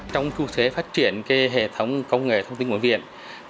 trong chương trình phát triển hệ thống công nghệ thông tin bệnh viện